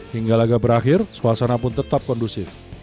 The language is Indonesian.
hingga laga berakhir suasana pun tetap kondusif